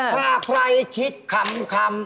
ถ้าใครคิดคำ